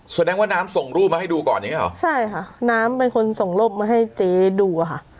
แสดงว่าน้ำส่งรูปมาให้ดูก่อนอย่างเงี้เหรอใช่ค่ะน้ำเป็นคนส่งรูปมาให้เจ๊ดูอ่ะค่ะ